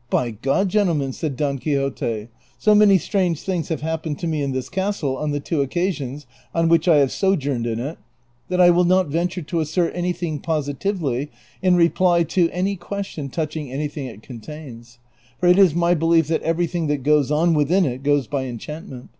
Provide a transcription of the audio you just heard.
'' By God, gentlemen," said Don Quixote, " so many strange things have hap})ened to me in this castle on the two occasions on which I have sojourned in it, that I will not venture to as sert anything positively in reply to any question touching any thing it contains ; for it is my belief that everything that goes on within it goes by enchantment.